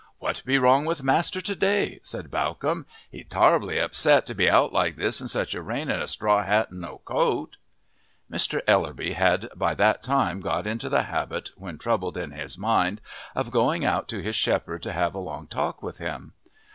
"What be wrong with master to day?" said Bawcombe. "He's tarrably upset to be out like this in such a rain in a straw hat and no coat." Mr. Ellerby had by that time got into the habit when troubled in his mind of going out to his shepherd to have a long talk with him.